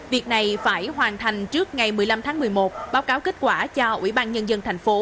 việc này phải hoàn thành trước ngày một mươi năm tháng một mươi một báo cáo kết quả cho ủy ban nhân dân thành phố